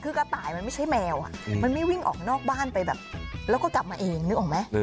คือกระต่ายมันไม่ใช่แมวมันไม่วิ่งออกนอกบ้านไปแบบแล้วก็กลับมาเองนึกออกไหม